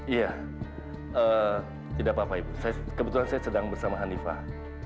iya tidak apa apa ibu kebetulan saya sedang bersama hanifah